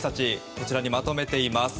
こちらにまとめています。